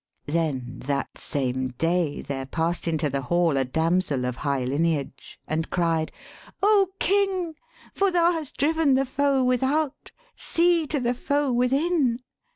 Then that same day there past into the hall A damsel of high lineage, and cried, 'O King, for thou hast driven the foe without, See to the foe within!